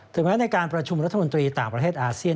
แม้ในการประชุมรัฐมนตรีต่างประเทศอาเซียน